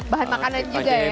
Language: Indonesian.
bahan makanan juga ya